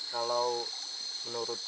kalau menurut saya